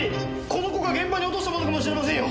この子が現場に落とした物かもしれませんよ。